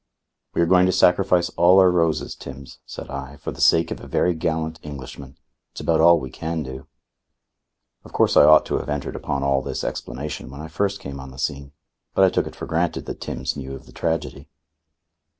"We are going to sacrifice all our roses, Timbs," said I, "for the sake of a very gallant Englishman. It's about all we can do." Of course I ought to have entered upon all this explanation when I first came on the scene; but I took it for granted that Timbs knew of the tragedy.